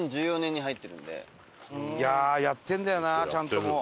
いややってるんだよなちゃんともう。